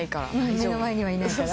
目の前にはいないから？